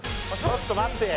ちょっと待って。